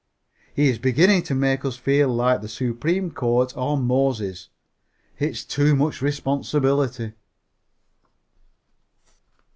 He is beginning to make us feel like the Supreme Court or Moses. It's too much responsibility.